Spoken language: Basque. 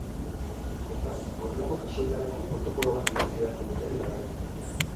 Hortaz, horrelako kasuetarako protokolo idatzi behar egingo dutela iragarri du.